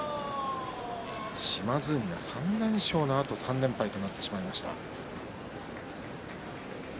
島津海は３連勝のあと３連敗となってしまいました。